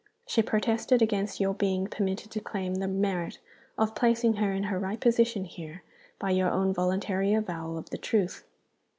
She protested against your being permitted to claim the merit of placing her in her right position here by your own voluntary avowal of the truth.